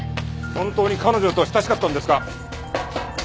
本当に彼女と親しかったんですか？